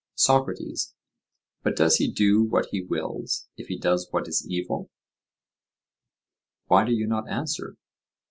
SOCRATES: But does he do what he wills if he does what is evil? Why do you not answer?